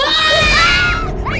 aduh mami ke dalam